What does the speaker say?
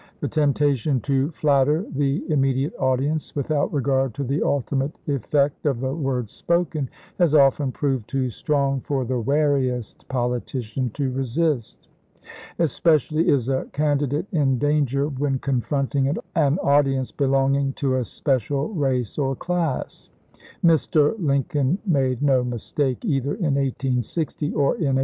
The temptation to flatter the immediate audience, without regard to the ultimate effect of the words spoken, has often proved too strong for the wariest politician to resist. Especially is a candidate in danger when confront ing an audience belonging to a special race or class. Mr. Lincoln made no mistake either in 1860 or in 1864.